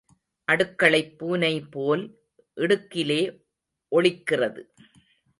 அடுக்களைப் பூனைபோல் இடுக்கிலே ஒளிக்கிறது.